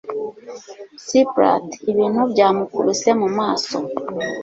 splat! ibintu byamukubise mu maso